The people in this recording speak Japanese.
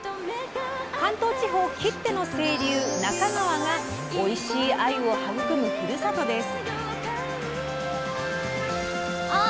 関東地方きっての清流那珂川がおいしいあゆを育むふるさとです。